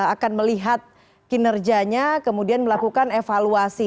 akan melihat kinerjanya kemudian melakukan evaluasi